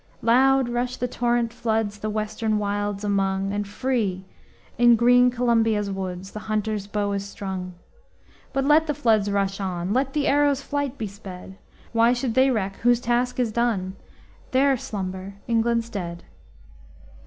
Loud rush the torrent floods The Western wilds among, And free, in green Columbia's woods, The hunter's bow is strung; But let the floods rush on! Let the arrow's flight be sped! Why should they reck whose task is done? There slumber England's dead.